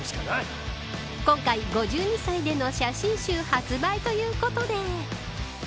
今回、５２歳での写真集発売ということで。